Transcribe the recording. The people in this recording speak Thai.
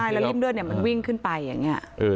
แล้วริ่มเลือดมันวิ่งขึ้นไปอย่างนี้